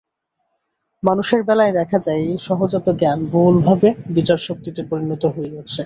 মানুষের বেলায় দেখা যায়, এই সহজাত জ্ঞান বহুলভাবে বিচারশক্তিতে পরিণত হইয়াছে।